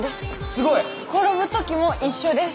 すごい！転ぶ時も一緒です。